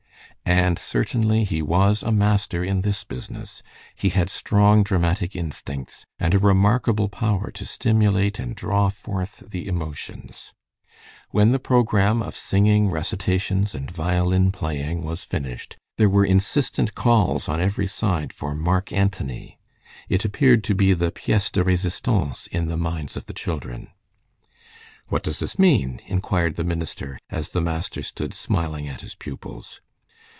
And certainly he was a master in this business. He had strong dramatic instincts, and a remarkable power to stimulate and draw forth the emotions. When the programme of singing, recitations, and violin playing was finished, there were insistent calls on every side for "Mark Antony." It appeared to be the 'piece de resistance' in the minds of the children. "What does this mean?" inquired the minister, as the master stood smiling at his pupils.